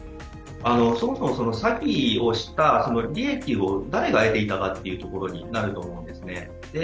そもそも詐欺をした利益を誰が得ていたかということになると思います。